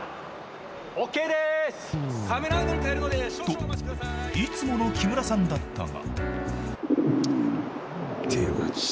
［といつもの木村さんだったが］